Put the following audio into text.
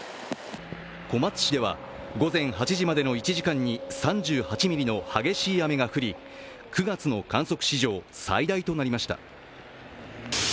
小松市では午前８時までの１時間に３８ミリの激しい雨が降り、９月の観測史上最大となりました。